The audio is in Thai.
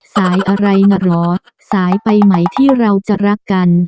สายอะไรน่ะเหรอสายไปใหม่ที่เราจะรักกัน